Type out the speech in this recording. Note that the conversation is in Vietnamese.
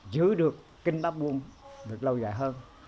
giữ được kinh lá buông được lâu dài hơn